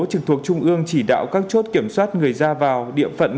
trực thuộc trung ương chỉ đạo các chốt kiểm soát người ra vào địa phận